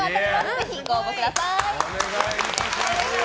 ぜひ、ご応募ください。